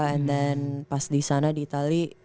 and then pas disana di itali